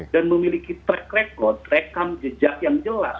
dan memiliki track record rekam jejak yang jelas